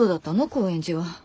高円寺は。